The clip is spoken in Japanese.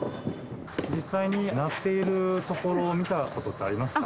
実際に鳴っているところ、見たことってありますか？